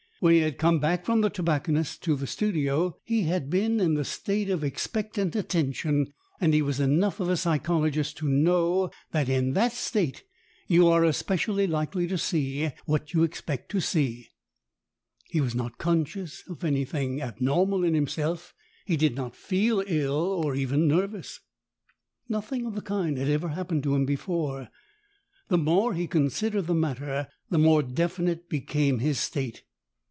When he had come back from the tobacconist's to the studio he had been in the state of expectant attention, and he was enough of a psychologist to know that in that state you are especially likely to see what you expect to see. He was not conscious of anything abnormal in himself. He did not feel ill, or even nervous. ROSE ROSE 151 Nothing of the kind had ever happened to him before. The more he considered the matter, the more definite became his state.